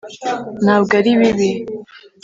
ntabwo ari bibi